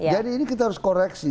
jadi ini kita harus koreksi